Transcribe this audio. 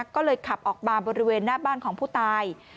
ก็เลยขับออกมาบริเวณหน้าบ้านของผู้ตาย